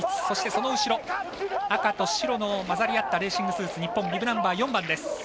そして、その後ろ赤と白の交ざり合ったレーシングスーツ日本、ビブナンバー４番です。